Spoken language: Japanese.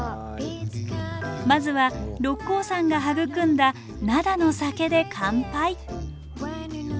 まずは六甲山が育んだ灘の酒で乾杯。